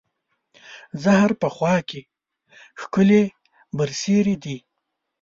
زهر په خوا کې، ښکلې برسېرې دي